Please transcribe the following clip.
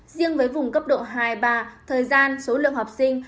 riêng với vùng cấp độ hai ba thời gian số lượng học sinh